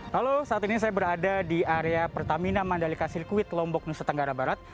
halo saat ini saya berada di area pertamina mandalika sirkuit lombok nusa tenggara barat